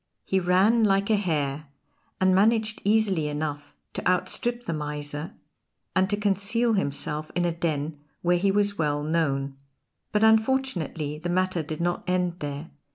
He ran like a hare and managed easily enough to outstrip the miser, and to conceal himself in a den where he was well known. But unfortunately the matter did not end there.